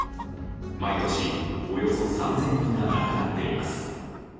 毎年およそ３０００人が亡くなっています。